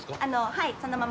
はいそのまま。